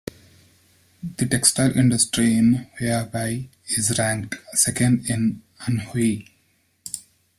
The textile industry in Huaibei is ranked second in Anhui.